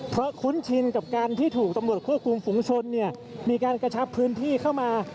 เพราะคุ้นชินกับการที่ถูกตำรวจควบคุมฝุงชนมีการกระชับพื้นที่เข้ามา